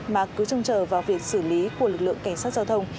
mà cứ trông chờ vào việc xử lý của lực lượng cảnh sát giao thông